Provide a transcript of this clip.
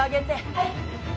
はい。